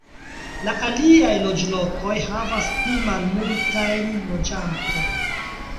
La aliaj loĝlokoj havas pli malmultajn loĝantojn.